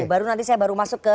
baru nanti saya baru masuk ke